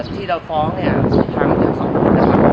ที่เราฟ้องเนี่ยทางทั้งสองคนนะครับ